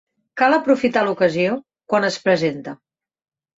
Cal aprofitar l'ocasió quan es presenta